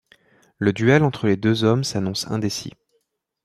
Le duel entre les deux hommes s'annonce indécis.